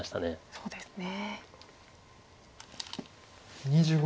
そうですね。